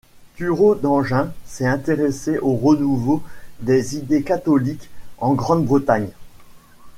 Thureau-Dangin s'est intéressé au renouveau des idées catholiques en Grande-Bretagne.